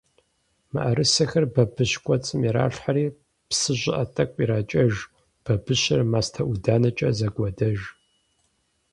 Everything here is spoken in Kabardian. МыӀэрысэхэр бабыщ кӀуэцӀым иралъхьэри, псы щӀыӀэ тӀэкӀу иракӀэж, бабыщыр мастэ-ӀуданэкӀэ зэгуадэж.